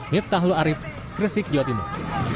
miftahlu arief kresik jawa timur